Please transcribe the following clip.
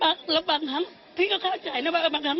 เพราะอะไรเราชาติเราออกมาเรารักชาติเรารักบ้านเมือง